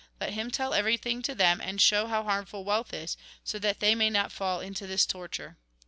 Let him tell everything to them, and show how harmful wealth is ; so that they may not fall into this torture.'